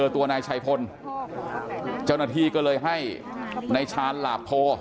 เจอตัวนายชัยภนเจ้านาธีก็เลยให้นายชานหลากโท